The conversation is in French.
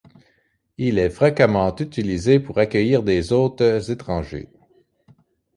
Il est fréquemment utilisé pour accueillir des hôtes étrangers.